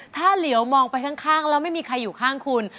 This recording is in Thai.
ถ้าเหลียวมองไปข้างแล้วไม่มีใครอยู่ข้างคุณ